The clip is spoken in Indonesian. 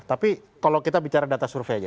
tapi kalau kita bicara data survei aja